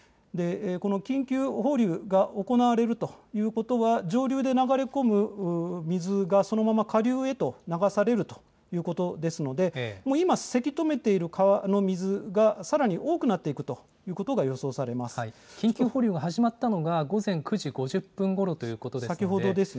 緊急放流が行われるということは、上流で流れ込む水がそのまま下流へと流されるということですので、今、せき止めている川の水がさらに多くなっていくということが予緊急放流が始まったのが、午前９時５０分ごろということですので。